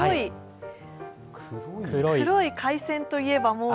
黒い海鮮といえば、もう。